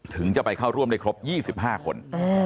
ถึงจะไปเข้าร่วมได้ครบ๒๕คน